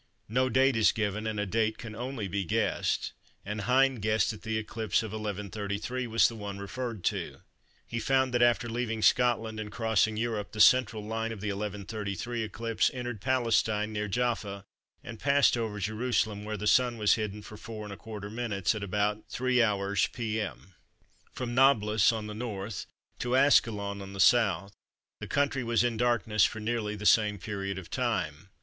No date is given and a date can only be guessed, and Hind guessed that the eclipse of 1133 was the one referred to. He found that after leaving Scotland and crossing Europe the central line of the 1133 eclipse entered Palestine near Jaffa and passed over Jerusalem where the Sun was hidden for 4¼ minutes at about 3h. p.m. From Nablous on the N. to Ascalon on the S. the country was in darkness for nearly the same period of time.